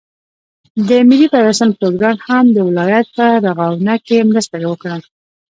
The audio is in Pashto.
د ملي پيوستون پروگرام هم د ولايت په رغاونه كې مرسته وكړه،